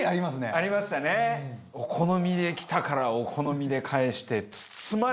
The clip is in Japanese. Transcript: お好みで来たからお好みで返して。